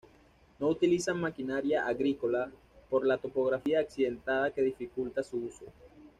No utilizan maquinaría agrícola, por la topografía accidentada que dificulta su uso.